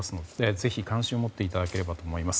ぜひ関心を持っていただければと思います。